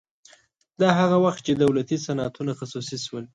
دا هغه وخت چې دولتي صنعتونه خصوصي شول